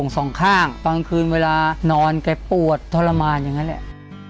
สองข้างบางคืนเวลานอนแกปวดทรมานอย่างนั้นแหละ